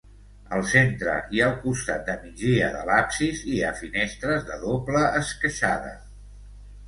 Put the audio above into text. Al centre i al costat de migdia de l'absis hi ha finestres de doble esqueixada.